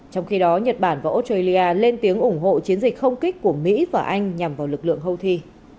trong khi đó nhật bản và australia lên tiếng ủng hộ chiến dịch không kích của mỹ và anh nhằm vào lực lượng houthi